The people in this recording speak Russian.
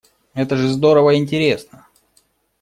Это же здорово и интересно.